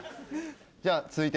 じゃ続いて。